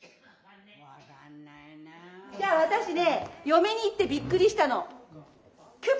私ね嫁に行ってびっくりしたの。